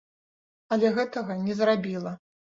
Але гэтага не зрабіла.